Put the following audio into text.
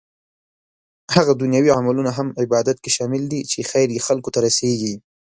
هغه دنيوي عملونه هم عبادت کې شامل دي چې خير يې خلکو ته رسيږي